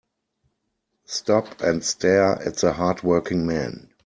Stop and stare at the hard working man.